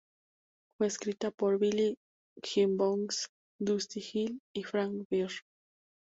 Fue escrita por Billy Gibbons, Dusty Hill y Frank Beard.